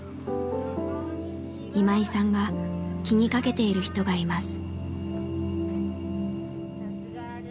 今井さんが気にかけている人がいます。